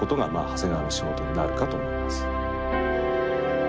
長谷川の仕事になるかと思います。